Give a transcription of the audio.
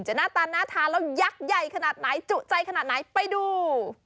หน้าตาน่าทานแล้วยักษ์ใหญ่ขนาดไหนจุใจขนาดไหนไปดู